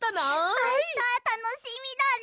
あしたたのしみだね！